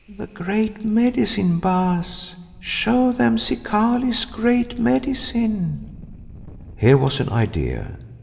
"The Great Medicine, Baas! Show them Zikali's Great Medicine." Here was an idea.